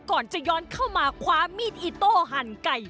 ก่อนจะย้อนเข้ามาคว้ามีดอิโต้หั่นไก่